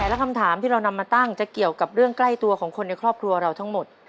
และคำถามที่เรานำมาตั้งจะเกี่ยวกับเรื่องใกล้ตัวของคนในครอบครัวเราทั้งหมด